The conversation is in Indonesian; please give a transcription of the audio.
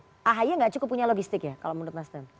jadi ini tidak cukup punya logistik ya kalau menurut nasdem